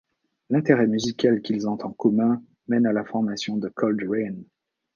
L'intérêt musical qu'ils ont en commun mène à la formation de Coldrain.